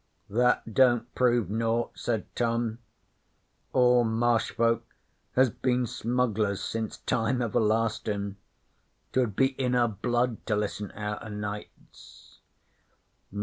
'That don't prove naught,' said Tom. 'All Marsh folk has been smugglers since time everlastin'. 'Twould be in her blood to listen out o' nights.'